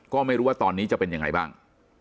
ก็ไม่รู้ว่าตอนนี้จะเป็นยังไงบ้าง